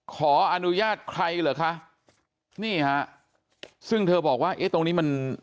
ขออนุญาตใครเหรอคะนี่ฮะซึ่งเธอบอกว่าเอ๊ะตรงนี้มัน